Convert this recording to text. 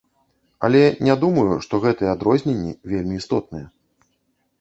Але не думаю, што гэтыя адрозненні вельмі істотныя.